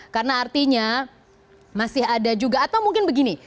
karena artinya masih ada juga atau mungkin begini